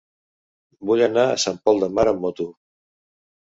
Vull anar a Sant Pol de Mar amb moto.